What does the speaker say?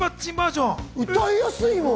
歌いやすいもん。